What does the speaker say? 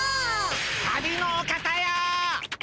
旅のお方よ！